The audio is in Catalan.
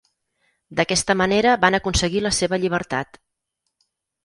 D'aquesta manera van aconseguir la seva llibertat.